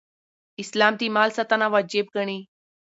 اسلام د مال ساتنه واجب ګڼي